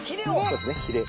そうですねひれ。